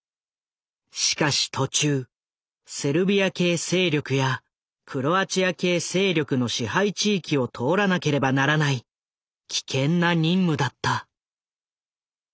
しかし途中セルビア系勢力やクロアチア系勢力の支配地域を通らなければならない危険な任務だった。